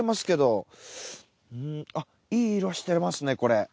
あっいい色してますねこれ。